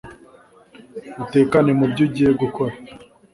Utekane mubyo ugiye gukora